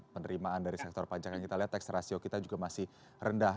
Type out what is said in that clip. penerimaan dari sektor pajak yang kita lihat tax ratio kita juga masih rendah